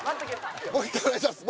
もう１回お願いします。